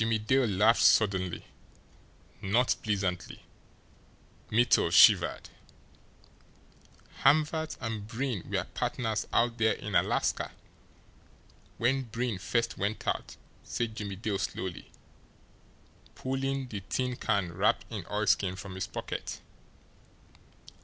Jimmie Dale laughed suddenly not pleasantly. Mittel shivered. "Hamvert and Breen were partners out there in Alaska when Breen first went out," said Jimmie Dale slowly, pulling the tin can wrapped in oilskin from his pocket.